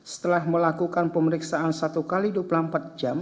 setelah melakukan pemeriksaan satu x dua puluh empat jam